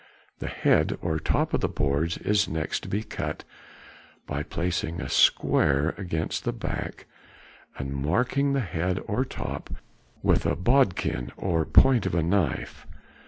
The head or top of the boards is next to be cut by placing a square against the back and marking the head or top with a bodkin or point of a knife.